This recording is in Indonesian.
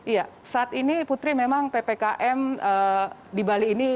iya saat ini putri memang ppkm di bali ini